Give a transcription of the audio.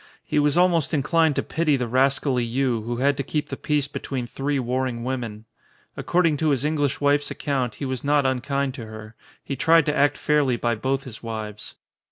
He was almost inclined to pity the ras cally Yii who had to keep the peace between three warring women. According to his English wife's account he was not unkind to her. He tried to act fairly by both his wives.